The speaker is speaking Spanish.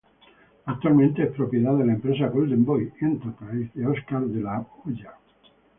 Actualmente es propiedad de la empresa Golden Boy Enterprises de Óscar De La Hoya.